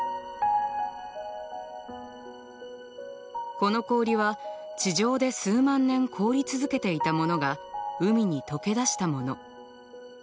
この氷は地上で数万年凍り続けていたものが海に解け出したもの。